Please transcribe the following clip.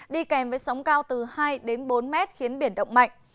đi kèm với sóng cao từ hai đến bốn mét khiến biển động mạnh